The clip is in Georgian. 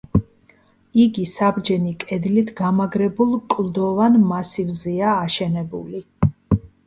იგი საბჯენი კედლით გამაგრებულ კლდოვან მასივზეა აშენებული.